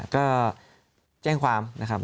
ก็แจ้งความนะครับ